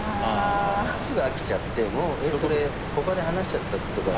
すぐ飽きちゃってそれ他で話しちゃったとか。